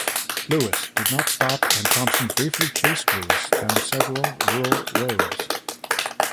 Lewis did not stop and Thompson briefly chased Lewis down several rural roads.